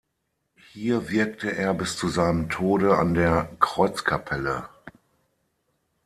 Hier wirkte er bis zu seinem Tode an der Kreuzkapelle.